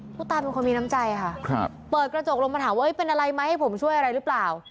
ผู้ตายเป็นคนมีน้ำใจค่ะเปิดกระจกลงมาถามว่าเป็นอะไรไหมให้ผมช่วยอะไรหรือเปล่า